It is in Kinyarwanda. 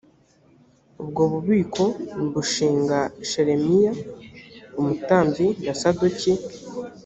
ubwo bubiko mbushinga shelemiya umutambyi na sadoki